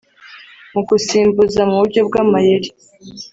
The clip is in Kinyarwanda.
Mu gusimbuza mu buryo bw’amayeri